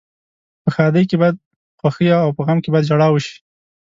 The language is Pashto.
په ښادۍ کې باید خوښي او په غم کې باید ژاړا وشي.